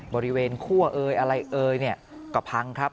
บริเวณคั่วเอยอะไรเอยก็พังครับ